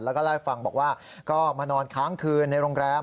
แล้วก็เล่าให้ฟังบอกว่าก็มานอนค้างคืนในโรงแรม